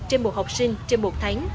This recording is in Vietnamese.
trên một học sinh trên một tháng